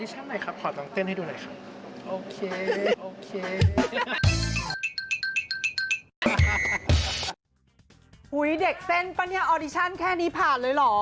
เด็กเส้นป่ะเนี่ยออดิชั่นแค่นี้ผ่านเลยเหรอ